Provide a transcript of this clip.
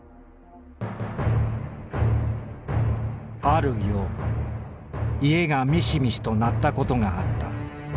「ある夜家がミシミシと鳴ったことがあった。